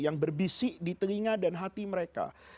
yang berbisik di telinga dan hati mereka